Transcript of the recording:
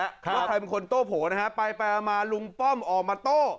ว่าใครเป็นคนโต้โผล่นะฮะไปมาลุงป้อมออกมาโต้